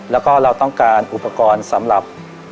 แล้วก็เราต้องการอุปกรณ์สำหรับ